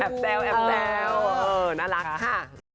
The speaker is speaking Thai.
แอบแจ้วน่ารักค่ะ